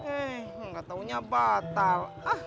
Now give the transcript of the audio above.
eh nggak tahunya batal